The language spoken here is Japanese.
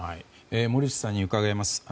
森内さんに伺います。